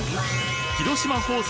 広島放送